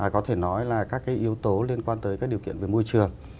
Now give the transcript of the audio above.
có thể nói là các cái yếu tố liên quan tới các điều kiện về môi trường